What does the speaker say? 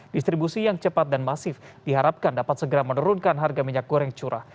distribusi yang cepat dan masif diharapkan dapat segera menurunkan harga minyak goreng curah